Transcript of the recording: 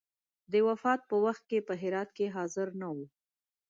د وفات په وخت کې په هرات کې حاضر نه وو.